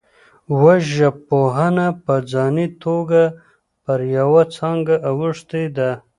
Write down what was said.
وژژبپوهنه په ځاني توګه پر یوه څانګه اوښتې ده